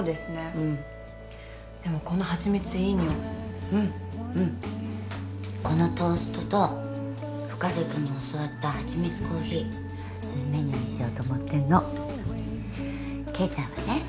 うんでもこの蜂蜜いい匂いうんうんこのトーストと深瀬君に教わった蜂蜜コーヒー新メニューにしようと思ってんの圭ちゃんはね